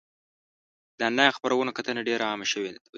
د انلاین خپرونو کتنه ډېر عامه شوې ده.